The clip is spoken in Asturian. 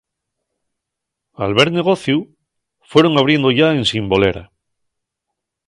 Al ver negociu, fueron abriendo yá ensin bolera.